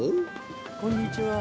こんにちは。